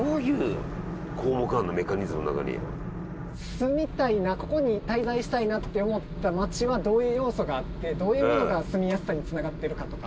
住みたいなここに滞在したいなって思った町はどういう要素があってどういうものが住みやすさにつながってるかとか。